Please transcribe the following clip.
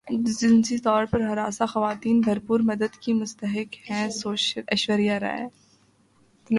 جنسی طور پر ہراساں خواتین بھرپور مدد کی مستحق ہیں ایشوریا رائے